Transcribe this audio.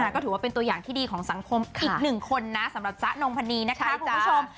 ก็ถือว่าเป็นตัวอย่างที่ดีของสังคมอีกหนึ่งคนนะสำหรับจ๊ะนงพนีนะคะคุณผู้ชม